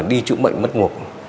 đi chữ mệnh mất ngục